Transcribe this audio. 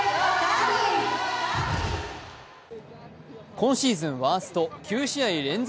今シーズンワースト９試合連続